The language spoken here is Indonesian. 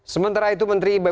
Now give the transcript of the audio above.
sementara itu menteri bumn